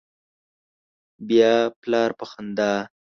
بیا پلار په خندا